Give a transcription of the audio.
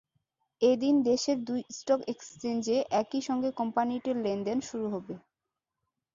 এদিন দেশের দুই স্টক এক্সচেঞ্জে একই সঙ্গে কোম্পানিটির লেনদেন শুরু হবে।